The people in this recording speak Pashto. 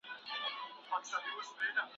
بانکداري په هیواد کي شتون لري.